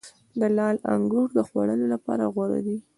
د لعل انګور د خوړلو لپاره غوره دي.